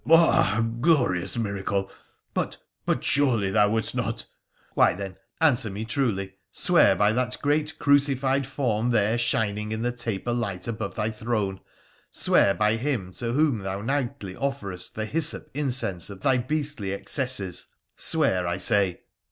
' 'Ah, glorious miracle ! but — but surely thou wouldst not '' Why, then, answer me truly, swear by that great crucified form there shining in the taper light above thy throne, swear by Him to whom thou nightly offerest the hyssop incense of thy beastly excesses — swear, I say